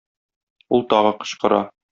Ул тагы кычкыра.